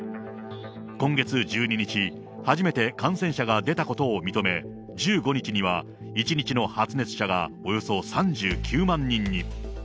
今月１２日、初めて感染者が出たことを認め、１５日には１日の発熱者がおよそ３９万人に。